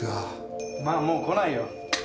まあもう来ないよ。